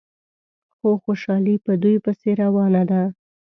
خو خوشحالي په دوی پسې روانه ده.